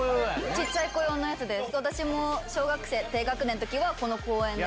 小っちゃい子用のやつで私も小学生低学年の時は公園で。